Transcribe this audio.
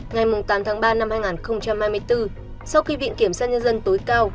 ngày tám tháng ba năm hai nghìn hai mươi bốn sau khi viện kiểm sát nhân dân tối cao